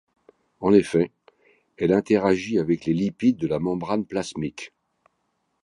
En effet, elle interagit avec les lipides de la membrane plasmique.